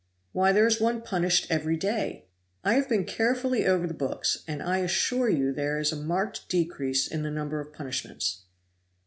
"Why, there is one punished every day." "I have been carefully over the books, and I assure you there is a marked decrease in the number of punishments."